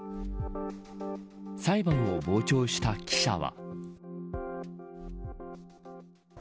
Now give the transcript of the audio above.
裁判を傍聴した記者は。